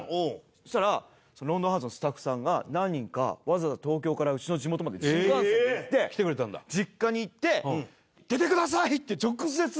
そしたら『ロンドンハーツ』のスタッフさんが何人かわざわざ東京からうちの地元まで新幹線で行って実家に行って「出てください！」って直接。